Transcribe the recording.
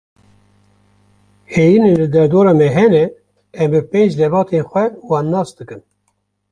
Heyînên li derdora me hene, em bi pênc lebatên xwe wan nas dikin.